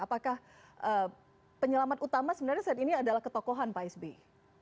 apakah penyelamat utama sebenarnya saat ini adalah ketokohan pak sby